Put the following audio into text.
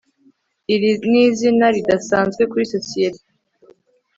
iri ni izina ridasanzwe kuri sosiyete